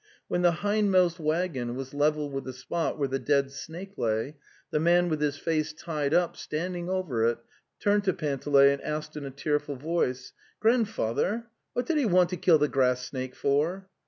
When the hindmost waggon was level with the spot where the dead snake lay, the man with his face tied up standing over it turned to Panteley and asked in a tearful voice: 'Grandfather, what did he want to kill the grass snake for?"